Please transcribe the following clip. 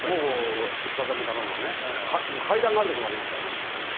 石畳だろうが階段があるところもありますからね。